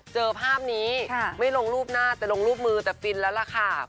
เจอภาพนี้ไม่ลงรูปหน้าจะลงรูปมือแต่ฟินแล้วล่ะค่ะ